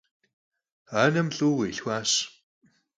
Anem lh'ıue khilhxuaş.